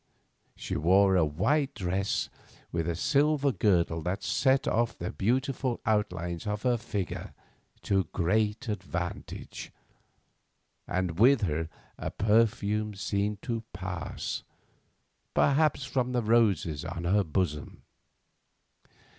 She wore a white dress, with a silver girdle that set off the beautiful outlines of her figure to great advantage, and with her a perfume seemed to pass, perhaps from the roses on her bosom.